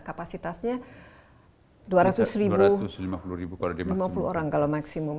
kapasitasnya dua ratus lima puluh ribu kalau di maksimum